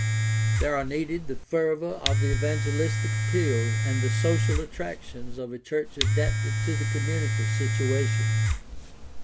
There are needed the fervor of the evangelistic appeal and the social attractions of a church adapted to the community situation.